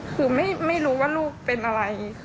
คือไม่รู้ว่าลูกเป็นอะไร